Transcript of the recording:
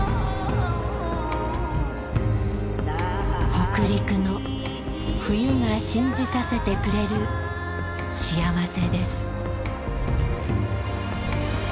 北陸の冬が信じさせてくれるしあわせです。